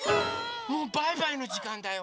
もうバイバイのじかんだよ。